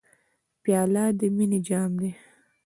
پیاله د مینې جام ده.